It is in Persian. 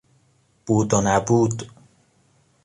بود و نبود